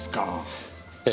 ええ。